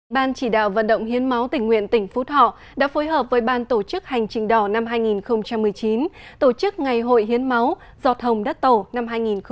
ban chỉ đạo vận động hiến máu tỉnh nguyện tỉnh phú thọ đã phối hợp với ban tổ chức hành trình đỏ năm hai nghìn một mươi chín tổ chức ngày hội hiến máu giọt hồng đất tổ năm hai nghìn một mươi chín